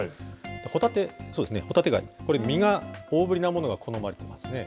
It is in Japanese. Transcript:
ホタテ、そうですね、ホタテ貝、これ、身が大ぶりなものが好まれていますね。